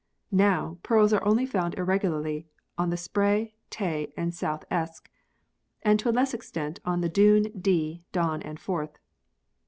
Now, pearls are only found irregularly in the Spey, Tay, and South Esk, and to a less extent in the Doon, Dee, Don and Forth.